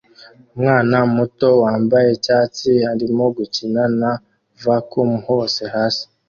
Umwana muto wambaye icyatsi arimo gukina na vacuum hose hasi